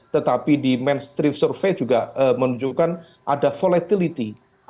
tetapi di mainstream survei juga menunjukkan ada volatility